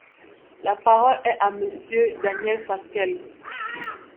La parole est à Monsieur Daniel Fasquelle.